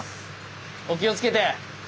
お気をつけて！